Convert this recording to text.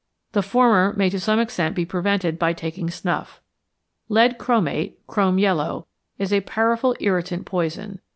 The former may to some extent be prevented by taking snuff. Lead chromate (chrome yellow) is a powerful irritant poison.